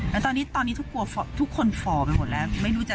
แล้วตอนนี้ทุกคนฟอไปหมดแล้ว